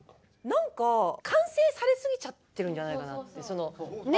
なんか完成されすぎちゃってるんじゃないかなって。ね？